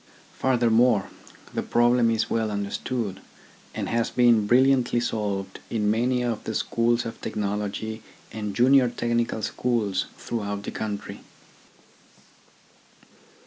Furthermore, the problem is well understood, and has been brilliantly solved in many of the schools of technology and junior technical schools throughout the country.